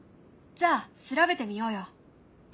じゃあ調べてみようよ。